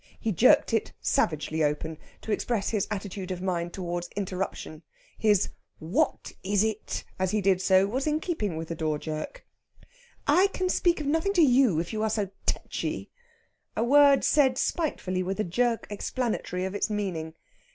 He jerked it savagely open to express his attitude of mind towards interruption. His "What is it?" as he did so was in keeping with the door jerk. "I can speak of nothing to you if you are so tetchy" a word said spitefully, with a jerk explanatory of its meaning.